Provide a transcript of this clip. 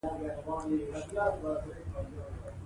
پولیس د خلکو د امنیت ساتنه کوي.